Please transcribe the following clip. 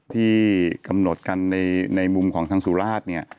ที่กำหนดกันในมุมของทางสุราชเนี่ย